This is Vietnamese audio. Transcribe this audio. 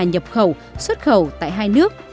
nhập khẩu xuất khẩu tại hai nước